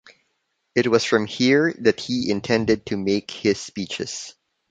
It was from here that he intended to make his speeches.